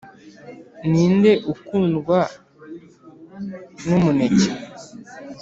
ninde ukundwa, ni umukene?